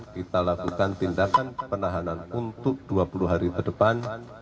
kita lakukan tindakan penahanan untuk dua puluh hari berdepan